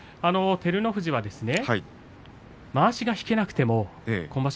照ノ富士はまわしが引けなくても今場所